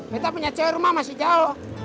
beto punya cewek rumah masih jauh